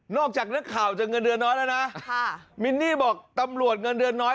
จากนักข่าวจะเงินเดือนน้อยแล้วนะมินนี่บอกตำรวจเงินเดือนน้อย